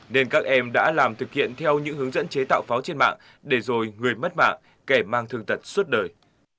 nên các em đã làm thực hiện theo những hướng dẫn chế tạo pháo trên mạng để rồi người mất mạng kẻ mang thương tật suốt đời